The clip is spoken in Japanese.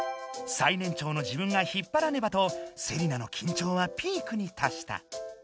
最年長の自分が引っぱらねばとセリナのきんちょうはピークに達した。